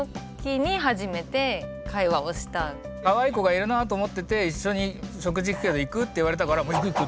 それでと思ってて「一緒に食事行くけど行く？」って言われたから「行く！行く！！」